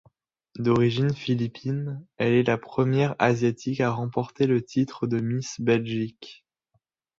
D'origine philippine, elle est la première asiatique à remporter le titre de Miss Belgique.